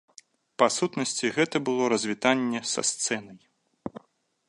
Па сутнасці, гэта было развітанне са сцэнай.